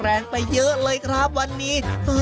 แรงไปเยอะเลยครับวันนี้